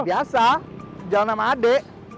biasa jalan sama adik